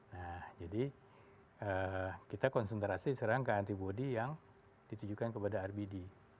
nah jadi kita konsentrasi sekarang ke antibody yang ditujukan kepada rbd